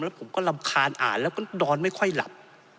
แล้วผมก็รำคาญอ่านแล้วก็นอนไม่ค่อยหลับ